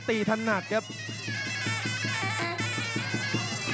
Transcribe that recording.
เสริมหักทิ้งลงไปครับรอบเย็นมากครับ